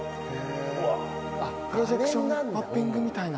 プロジェクションマッピングみたいな。